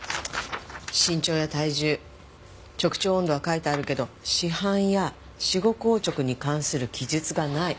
身長や体重直腸温度は書いてあるけど死斑や死後硬直に関する記述がない。